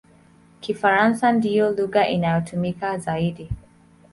Kifaransa ndiyo lugha inayotumika zaidi.